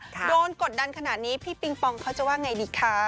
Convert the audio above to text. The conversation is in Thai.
โดนกดดันขนาดนี้พี่ปิงปองเขาจะว่าไงดีคะ